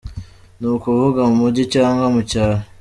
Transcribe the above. Ni ukuvuga mu mujyi cyangwa mu cyaro.